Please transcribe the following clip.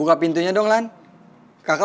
kalo saya gak pernah lihat